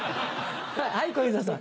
はい小遊三さん。